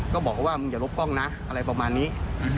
ก็บอกว่ามึงอย่าลบกล้องนะอะไรประมาณนี้